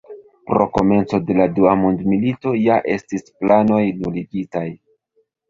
Pro komenco de dua mondmilito ja estis planoj nuligitaj.